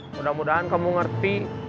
mudah mudahan kamu ngerti